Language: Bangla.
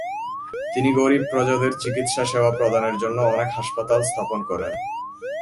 তিনি গরীব প্রজাদের চিকিৎসা সেবা প্রদানের জন্য অনেক হাসপাতাল স্থাপন করেন।